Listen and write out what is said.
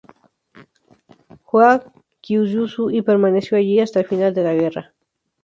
Fue a Kyushu y permaneció allí hasta el final de la guerra.